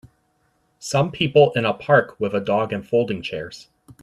Some people in a park with a dog and folding chairs.